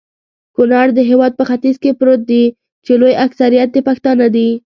کونړ د هيواد په ختیځ کي پروت دي.چي لوي اکثريت يي پښتانه دي